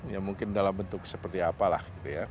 ya mungkin dalam bentuk seperti apalah